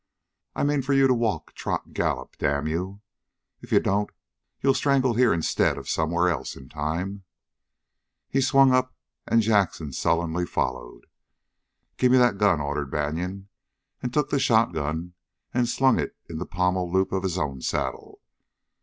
"I mean for you to walk, trot, gallop, damn you! If you don't you'll strangle here instead of somewhere else in time." He swung up, and Jackson sullenly followed. "Give me that gun," ordered Banion, and took the shotgun and slung it in the pommel loop of his own saddle.